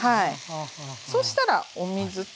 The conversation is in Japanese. そしたらお水と。